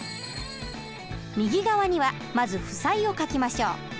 右側にはまず負債を書きましょう。